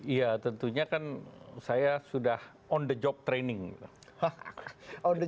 i ya tentunya kan saya sudah on the job training gitu